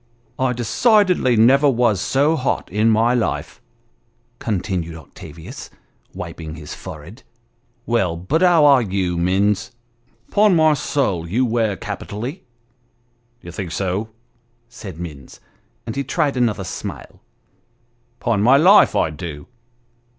" I decidedly never was so hot in my life," continued Octavius, wiping his forehead ; "well, but how are you, Minns? Ton my soul, you wear capitally !"" D'ye think so ?" said Minns ; and he tried another smile. " Ton my life, I do